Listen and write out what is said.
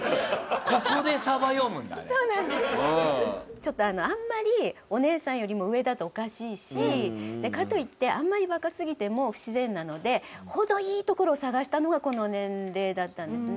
ちょっとあんまりお姉さんよりも上だとおかしいしかといってあんまり若すぎても不自然なのでほどいいところを探したのがこの年齢だったんですね。